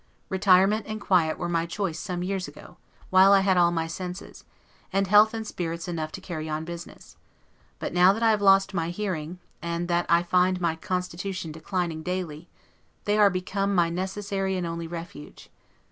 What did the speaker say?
Retirement and quiet were my choice some years ago, while I had all my senses, and health and spirits enough to carry on business; but now that I have lost my hearing, and that I find my constitution declining daily, they are become my necessary and only refuge.